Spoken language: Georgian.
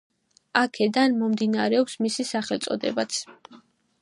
აქედან მომდინარეობს მისი სახელწოდებაც.